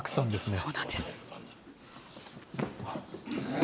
そうなんです。